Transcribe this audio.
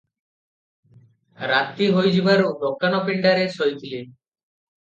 ରାତି ହୋଇଯିବାରୁ ଦୋକାନ ପିଣ୍ତାରେ ଶୋଇଥିଲି ।